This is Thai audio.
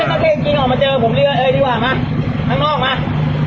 เมื่อกี๊กินออกมาเจอผมเรื่อยดีกว่ามาออกมามาดิ